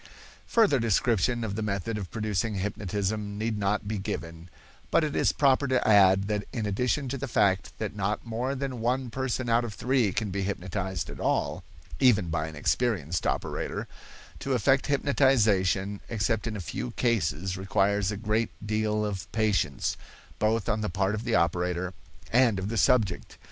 Further description of the method of producing hypnotism need not be given; but it is proper to add that in addition to the fact that not more than one person out of three can be hypnotized at all, even by an experienced operator, to effect hypnotization except in a few cases requires a great deal of patience, both on the part of the operator and of the subject.